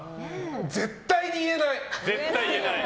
絶対に言えない。